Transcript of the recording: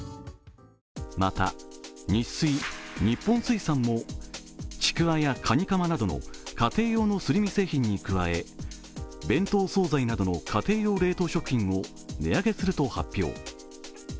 また、ニッスイ＝日本水産もちくわやカニカマなどの家庭用のすり身製品に加え弁当総菜などの家庭用冷凍食品を値上げすると発表。